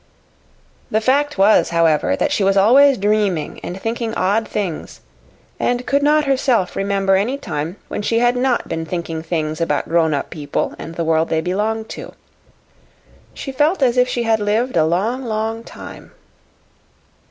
The fact was, however, that she was always dreaming and thinking odd things and could not herself remember any time when she had not been thinking things about grown up people and the world they belonged to. She felt as if she had lived a long, long time.